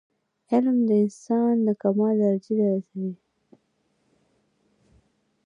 علم انسان د کمال درجي ته رسوي.